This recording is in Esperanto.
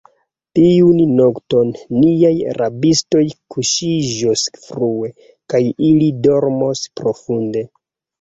Tiun nokton, niaj rabistoj kuŝiĝos frue, kaj ili dormos profunde.